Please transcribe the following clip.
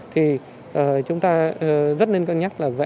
thì chúng ta rất nên cân nhắc là